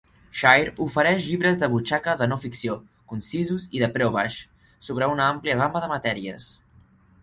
Shire ofereix llibres de butxaca de no ficció, concisos i de preu baix, sobre una àmplia gama de matèries.